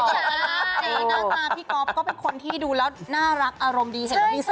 ใช่น่าตาพี่กอล์ฟก็เป็นคนที่ดูแล้วน่ารักอารมณ์ดี